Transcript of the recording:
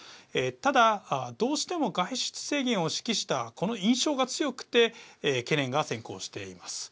ただどうしても外出制限を指揮したこの印象が強くて懸念が先行しています。